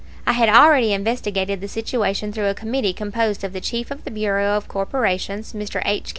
I had already investigated the situation through a committee, composed of the Chief of the Bureau of Corporations, Mr. H.